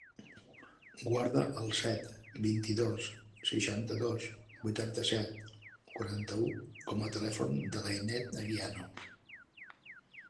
Guarda el set, vint-i-dos, seixanta-dos, vuitanta-set, quaranta-u com a telèfon de l'Ainet Anguiano.